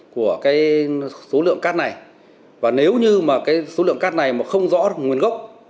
của cái số lượng cát này và nếu như mà cái số lượng cát này mà không rõ nguồn gốc